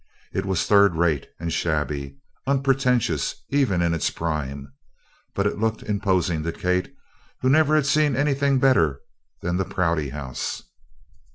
It was third rate and shabby, unpretentious even in its prime, but it looked imposing to Kate, who never had seen anything better than the Prouty House.